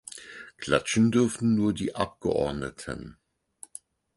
Klatschen dürfen nur die Abgeordneten.